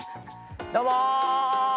どうも。